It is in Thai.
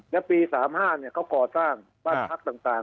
และปี๑๙๓๕เขากอตร้านบ้านทัพต่าง